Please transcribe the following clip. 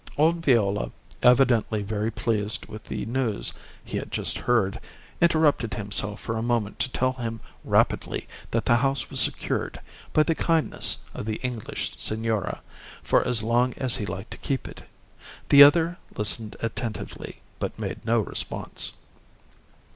Old Viola, evidently very pleased with the news he had just heard, interrupted himself for a moment to tell him rapidly that the house was secured, by the kindness of the English signora, for as long as he liked to keep it. The other listened attentively, but made no response.